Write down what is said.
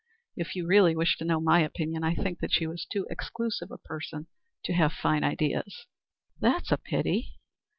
If you really wish to know my opinion, I think that she was too exclusive a person to have fine ideas." "That's a pity."